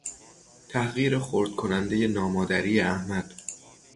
تحقیر خرد کنندهی نامادری احمد